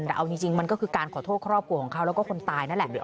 แต่เอาจริงมันก็คือการขอโทษครอบครัวของเขาแล้วก็คนตายนั่นแหละ